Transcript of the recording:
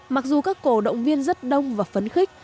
mặc dù các cổ động viên rất đông và phấn khích